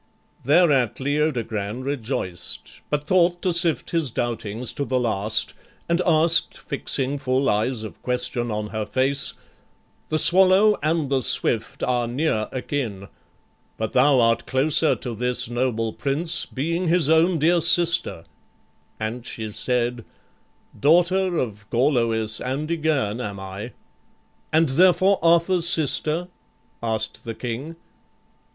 Thereat Leodogran rejoiced, but thought To sift his doubtings to the last, and ask'd, Fixing full eyes of question on her face, "The swallow and the swift are near akin, But thou art closer to this noble prince, Being his own dear sister"; and she said, "Daughter of Gorloïs and Ygerne am I"; "And therefore Arthur's sister?" asked the King.